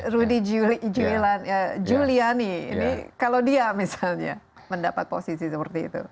rudy giuliani kalau dia misalnya mendapat posisi seperti itu